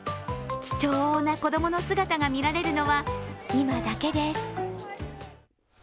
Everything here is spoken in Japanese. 貴重な子供の姿が見られるのは、今だけです。